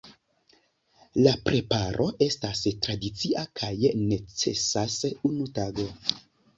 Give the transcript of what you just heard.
La preparo estas tradicia kaj necesas unu tago.